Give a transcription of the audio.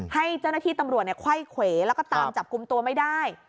ให้เจ้าหน้าที่ตำรวจไขว้เขวแล้วก็ตามจับกลุ่มตัวไม่ได้